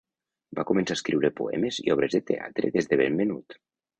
Va començar a escriure poemes i obres de teatre des de ben menut.